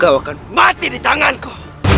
kau akan mati di tanganku